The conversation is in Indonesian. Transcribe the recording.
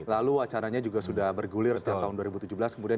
lalu acaranya juga sudah bergulir setelah tahun dua ribu tujuh belas